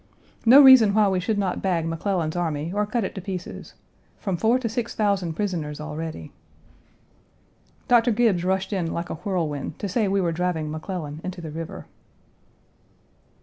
No reason why we should not bag McClellan's army or cut it to pieces. From four to six thousand prisoners already." Doctor Gibbes rushed in like a whirlwind to say we were driving McClellan into the river.